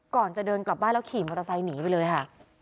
ก่อนจะเดินกลับบ้านแล้วขี่มอเตอร์ไซค์หนีไปเลยค่ะ